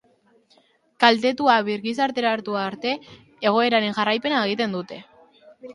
Kaltetua birgizarteratu arte, egoeraren jarraipena egiten dute.